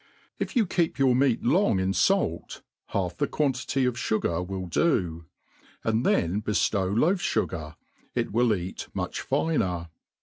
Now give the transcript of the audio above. If you Keep your meat long in fait, half the quantity of fugar will ^ do^ and then beftow loaf fagar, it will eat much finer.